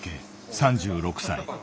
３６歳。